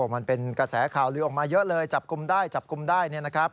มันเป็นกระแสข่าวลือออกมาเยอะเลยจับกลุ่มได้จับกลุ่มได้